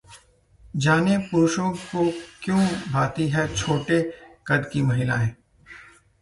जानें, पुरुषों को क्यों भाती हैं छोटे कद की महिलाएं